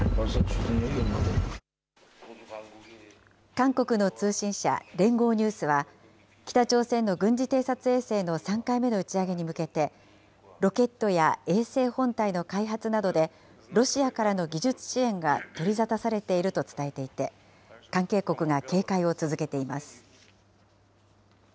韓国の通信社、連合ニュースは、北朝鮮の軍事偵察衛星の３回目の打ち上げに向けて、ロケットや衛星本体の開発などでロシアからの技術支援が取り沙汰されていると伝えていて、関係国が警戒を続けています。